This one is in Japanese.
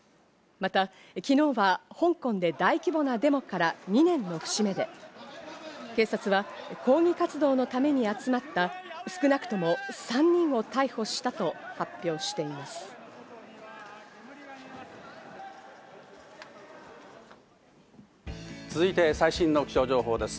また昨日は香港で大規模なデモから２年の節目で、警察は抗議活動のために集まった少なくとも３人を逮捕したと発表しています。